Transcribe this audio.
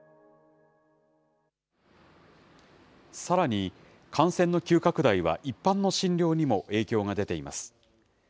さらに、感染の急拡大は一般の診療にも影響が出ています。